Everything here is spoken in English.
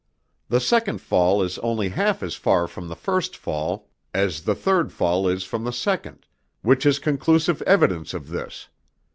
The second fall is only half as far from the first fall as the third fall is from the second, which is conclusive evidence of this.